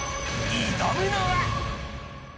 挑むのは？